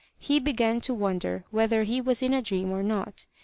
He began to wonder whether he was in a dream or not.